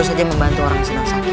oh membantu orang yang sakit